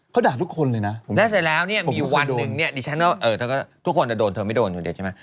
เขาด่าทุกคนเลยนะได้เสร็จแล้วเนี่ยมีวันหนึ่งเนี่ยดิฉันว่าทุกคนจะโดนเธอไม่โดนคนเดียวใช่ไหม